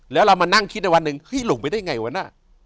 แล้วเรามานั่งคิดในวันหนึ่งเฮ้ยหลงไปได้ไงวะน่ะ